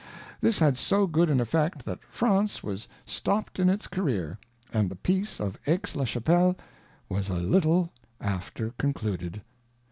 This had so good an effect, that France vfas stopt in its Career, and the Peace of Aix le Chapelle was a little after concluded.